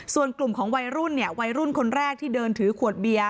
ส่วนกลุ่มของวัยรุ่นเนี่ยวัยรุ่นคนแรกที่เดินถือขวดเบียร์